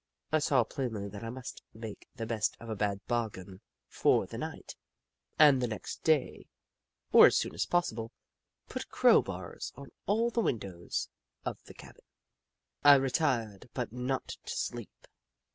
I saw plainly that I must make the best of a bad bargain for the night, and the next day, or as soon as possible, put crowbars on all the windows of the cabin. I retired, but not to sleep.